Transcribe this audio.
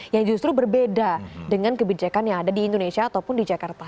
yang justru berbeda dengan kebijakan yang ada di indonesia ataupun di jakarta